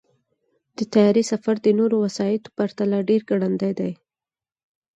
د طیارې سفر د نورو وسایطو پرتله ډېر ګړندی دی.